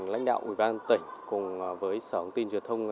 lãnh đạo ubnd tỉnh cùng với sở hóa thông tin truyền thông